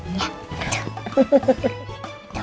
dari tenu gitu ya